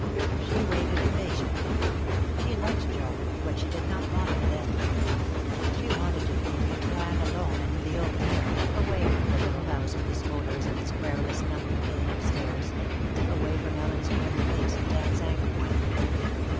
She waited impatiently. She liked Joe, but she did not want him then. She wanted to think and plan alone and in the open air, away from the little house with its odors and its querulous thumping cane upstairs; away from Ellen's grim face and Dan's angry one.